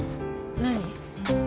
何？